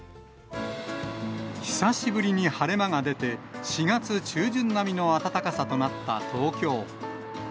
久しぶりに晴れ間が出て、４月中旬並みの暖かさとなった東京。